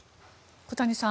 小谷さん